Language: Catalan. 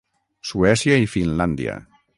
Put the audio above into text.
Suècia i Finlàndia.